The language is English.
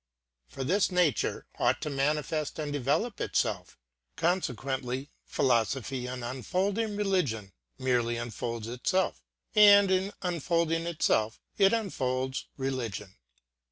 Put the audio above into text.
For this nature ought to manifest and develop itself. Consequently, philosophy in unfolding religion merely unfolds itself, and in unfolding itself it unfolds religion.